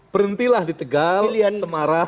berhentilah di tegal semarang